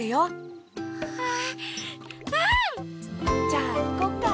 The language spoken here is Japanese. じゃあいこっか？